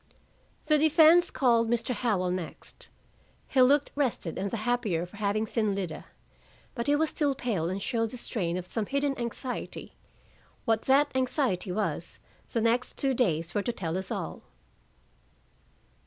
The defense called Mr. Howell next. He looked rested, and the happier for having seen Lida, but he was still pale and showed the strain of some hidden anxiety. What that anxiety was, the next two days were to tell us all.